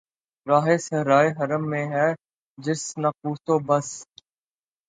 راہِ صحرائے حرم میں ہے جرس‘ ناقوس و بس